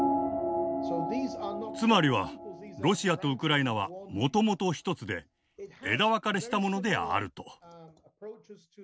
つまりはロシアとウクライナはもともと一つで枝分かれしたものであると。